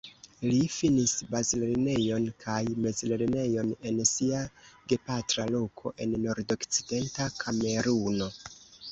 Li finis bazlernejon kaj mezlernejon en sia gepatra loko en Nordokcidenta Kameruno.